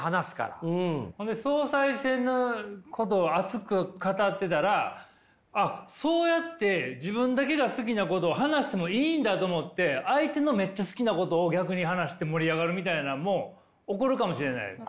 ほんで総裁選のことを熱く語ってたらあっそうやって自分だけが好きなことを話してもいいんだと思って相手のめっちゃ好きなことを逆に話して盛り上がるみたいなんも起こるかもしれないよね。